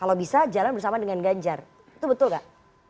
kalau bisa jalan bersama dengan ganjar itu betul gak